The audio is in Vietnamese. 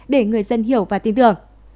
để người dân hiểu và tin tưởng